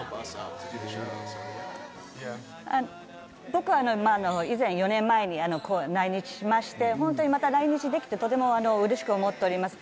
僕は以前４年前に来日しまして、本当に来日できてとてもうれしく思っております。